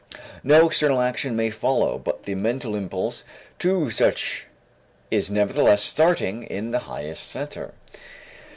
No external action may follow, but the mental impulse to such is nevertheless starting in the highest center.